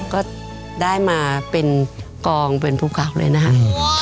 ก็ได้มาเป็นกองเป็นภูเคราะห์เลยนะคะ